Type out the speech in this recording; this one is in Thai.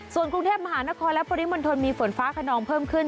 ส่วนกรุงเทพมหานครและปริมณฑลมีฝนฟ้าขนองเพิ่มขึ้น